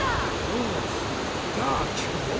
よしじゃあきくよ？